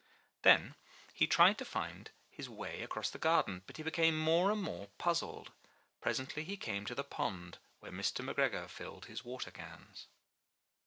Then he tried to find his 189 MY BOOK HOUSE way across the garden, but he became more and more puzzled. Presently he came to the pond where Mr. McGregor filled his water cans.